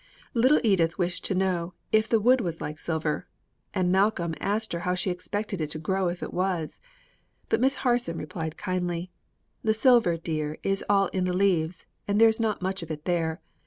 Little Edith wished to know "if the wood was like silver," and Malcolm asked her how she expected it to grow if it was. But Miss Harson replied kindly, "The silver, dear, is all in the leaves, and there is not much of it there.